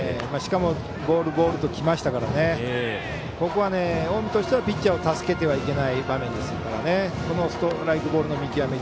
ボール、ボールときましたからここは近江としてはピッチャーを助けてはいけない場面ですからこのストライク、ボールの見極め